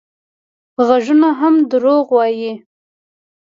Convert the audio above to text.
غږونه هم دروغ وايي